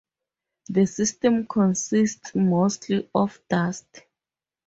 The system consists mostly of dust.